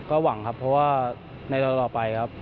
ก็หวังครับเพราะว่าในต่อไปครับ